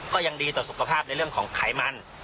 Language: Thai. ก็ยังดีต่อสุขภาพในเรื่องของไขมัน